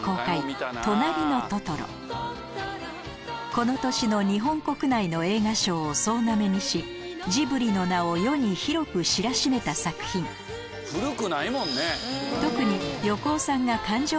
この年の日本国内の映画賞を総ナメにしジブリの名を世に広く知らしめた作品古くないもんね。